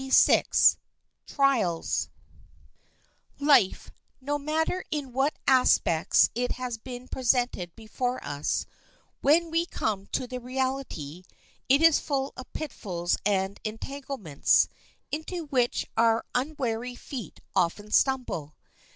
] Life, no matter in what aspects it has been presented before us, when we come to the reality, is full of pitfalls and entanglements, into which our unwary feet often stumble.